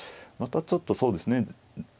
またちょっとそうですね。